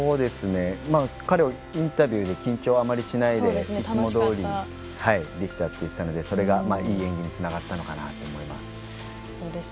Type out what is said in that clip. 彼は、インタビューで緊張はあまりしないでいつもどおりできたと言っていたのでそれがいい演技につながったのかなと思います。